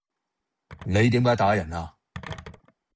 你點解打人啊？